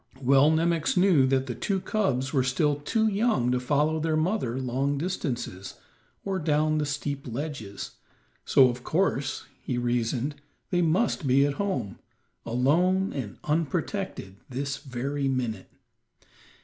Well Nemox knew that the two cubs were still too young to follow their mother long distances, or down the steep ledges, so of course, he reasoned, they must be at home, alone and unprotected, this very minute.